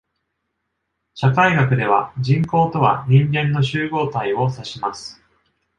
社会学では、人口とは人間の集合体を指します。